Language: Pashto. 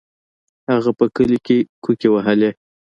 هغه په کلي کې کوکې وهلې.